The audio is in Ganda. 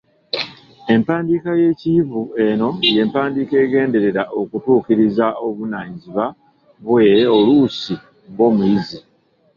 Empandiika y’ekiyivu eno y’empandiika egenderera okutuukiriza obuvunaanyiziba bwe oluusi ng’omuyizi.